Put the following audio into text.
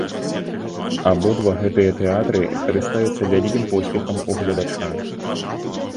Абодва гэтыя тэатры карыстаюцца вялікім поспехам у гледача.